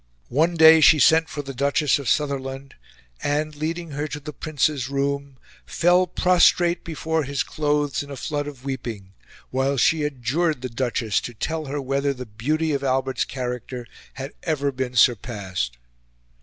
One day she sent for the Duchess of Sutherland, and, leading her to the Prince's room, fell prostrate before his clothes in a flood of weeping, while she adjured the Duchess to tell her whether the beauty of Albert's character had ever been surpassed.